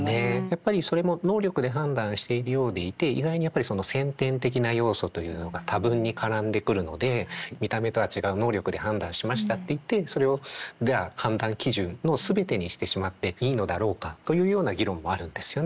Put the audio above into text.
やっぱりそれも能力で判断しているようでいて意外にやっぱり先天的な要素というのが多分に絡んでくるので見た目とは違う能力で判断しましたって言ってそれをじゃあ判断基準の全てにしてしまっていいのだろうか？というような議論もあるんですよね。